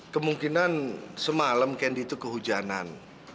kemungkinan semalam kendi itu kehujanan